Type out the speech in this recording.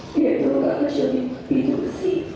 itu tidak akan menjadi pintu kesih